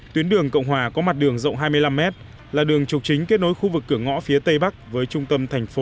tuyến đường cộng hòa có mặt đường rộng hai mươi năm m là đường trục chính kết nối khu vực cửa ngõ phía tây bắc với trung tâm thành phố